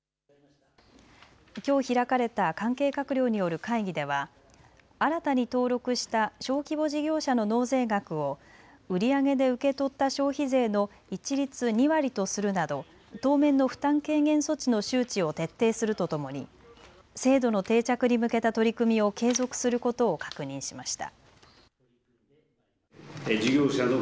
きょう開かれた関係閣僚による会議では新たに登録した小規模事業者の納税額を売り上げで受け取った消費税の一律２割とするなど当面の負担軽減措置の周知を徹底するとともに制度の定着に向けた取り組みを継続することを確認しました。